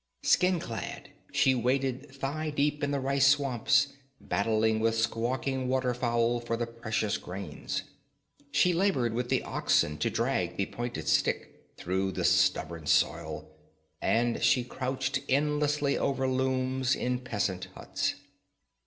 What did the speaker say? Skin clad, she waded thigh deep in rice swamps, battling with squawking water fowl for the precious grains. She labored with the oxen to drag the pointed stick through the stubborn soil, and she crouched endlessly over looms in peasant huts.